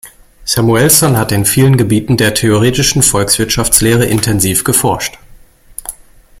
Samuelson hat in vielen Gebieten der theoretischen Volkswirtschaftslehre intensiv geforscht.